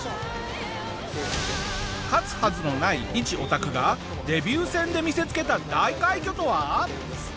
勝つはずのないいちオタクがデビュー戦で見せつけた大快挙とは？